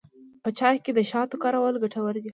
په چای کې د شاتو کارول ګټور دي.